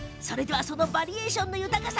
バリエーションの豊かさ